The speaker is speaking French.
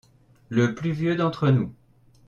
Le plus vieux d'entre nous.